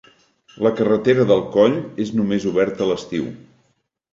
La carretera del coll és només oberta l'estiu.